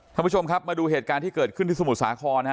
ท่านผู้ชมครับมาดูเหตุการณ์ที่เกิดขึ้นที่สมุทรสาครนะฮะ